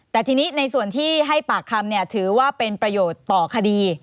แต่ทีนี้ในส่วนที่ให้ปากคำถือว่าเป็นประโยชน์ต่อคดี